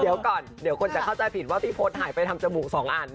เดี๋ยวก่อนคนจะเข้าใจผิดว่าพี่โพดหายไปทำจมูกสองอัน